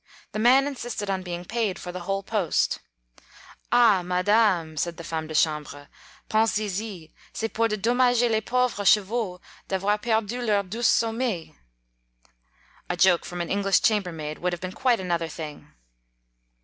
The man insisted on being paid for the whole post. Ah! Madame, said the 10 femme de chambre, pensez y; c' est pour de dommager lespauvres chevaux d* avoir per dues leur douce sommeil. A joke from an English chamber maid would have been quite another thing.